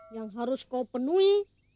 yang harus kau penuhi